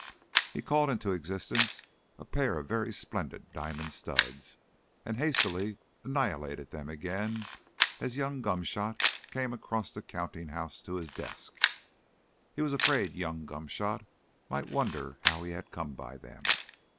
He called into existence a pair of very splendid diamond studs, and hastily annihilated them again as young Gomshott came across the counting house to his desk. He was afraid young Gomshott might wonder how he had come by them.